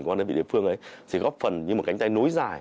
của các đơn vị địa phương ấy thì góp phần như một cánh tay nối dài